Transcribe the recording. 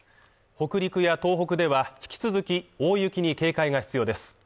北陸や東北では引き続き大雪に警戒が必要です